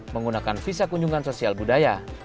menggunakan visa kunjungan sosial budaya